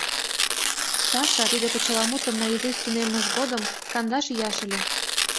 Саша тиде почеламутым наизусть тунеммыж годым кандаш ияш ыле.